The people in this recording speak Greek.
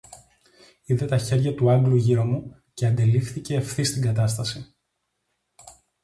Είδε τα χέρια του Άγγλου γύρω μου, και αντελήφθηκε ευθύς την κατάσταση.